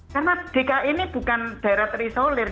karena dki ini bukan daerah terisolir